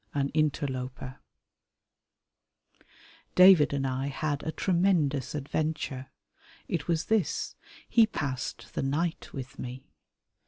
An Interloper David and I had a tremendous adventure. It was this, he passed the night with me.